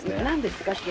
何ですか？